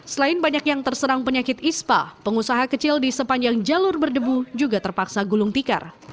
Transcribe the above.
selain banyak yang terserang penyakit ispa pengusaha kecil di sepanjang jalur berdebu juga terpaksa gulung tikar